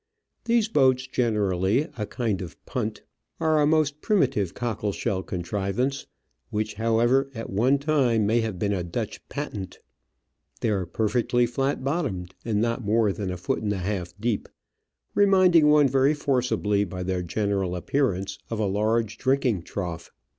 These boats, generally a kind of punt, are a most primitive cockle shell contrivance, which, however, at one time may have been a Dutch patent. They are perfectly flat bottomed, and not more than a foot and a half deep, reminding one very forcibly by their general appearance of a large drinking trough.